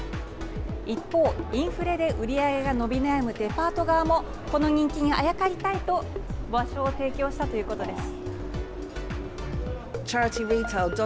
一方インフレで売り上げが伸び悩むデパート側もこの人気にあやかりたいと場所を提供したということです。